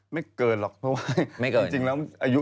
ไม่เกินหรอกเพราะว่าจริงแล้วอายุ